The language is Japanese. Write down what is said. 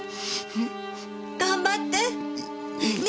頑張って！ね！